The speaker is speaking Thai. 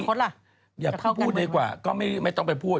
เขาก็พูดดีกว่าก็ไม่ต้องไปพูด